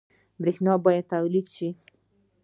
برښنا باید تولید شي